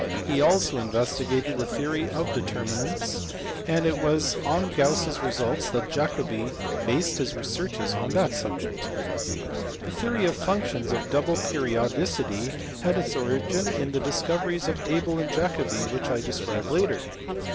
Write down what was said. He also investigated the theory of determinants, and it was on Gauss s results that Jacobi based his researches on that subject. The theory of functions of double periodicity had its origin in the discoveries of Abel and Jacobi, which I describe later.